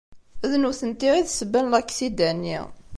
D nutenti i d ssebba n laksida-nni.